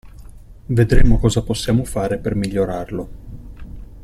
Vedremo cosa possiamo fare per migliorarlo.